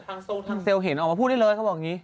ทางซูตรทางเซลเห็นออกมาพูดได้เลยเขาบอกนี้